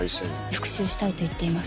復讐したいと言っています。